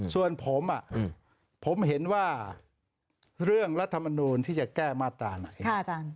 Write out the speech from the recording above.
ส่วนผมผมเห็นว่าเรื่องรัฐมนูลที่จะแก้มาตราไหน